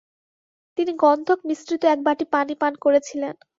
তিনি গণ্ধক মিশ্রিত এক বাটি পানি পান করেছিলেন।